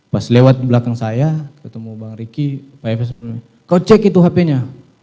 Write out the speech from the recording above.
pas lewat di belakang saya ketemu bang riki pak fs kau cek itu hp nya